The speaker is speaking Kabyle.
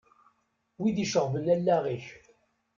Wid iceɣben allaɣ-ik.